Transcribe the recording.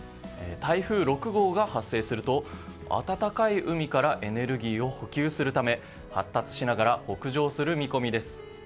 台風６号が発生すると温かい海からエネルギーを補給するため発達しながら北上する見込みです。